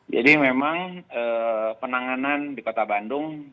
jadi memang penanganan di kota bandung